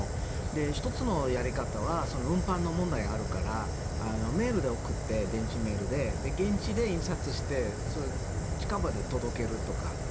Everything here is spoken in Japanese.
１つのやり方は運搬の問題があるからメールで送って、電子メールで現地で印刷して近場で届けるとか。